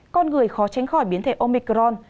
con người khó tránh khỏi biến thể omicron